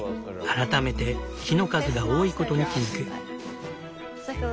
改めて木の数が多いことに気付く。